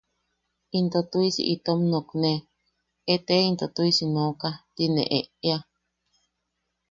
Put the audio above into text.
Into tu’isi itom nookne… “ete into tu’isi nooka” ti ne e’ea.